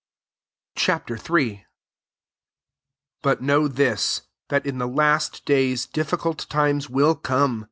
Ch. hi. 1 But know this, that in the last days diffiLcult tines will come.